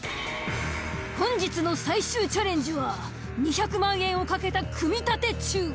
本日の最終チャレンジは２００万円を懸けた。